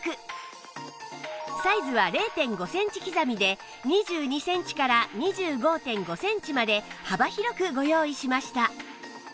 サイズは ０．５ センチ刻みで２２センチから ２５．５ センチまで幅広くご用意しました